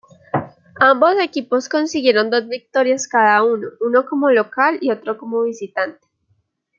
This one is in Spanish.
Ambos equipos consiguieron dos victorias cada uno, una como local y otra como visitante.